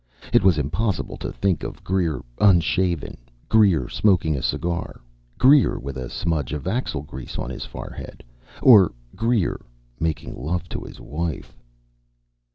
It was impossible to think of Greer unshaven, Greer smoking a cigar, Greer with a smudge of axle grease on his forehead, or Greer making love to his wife.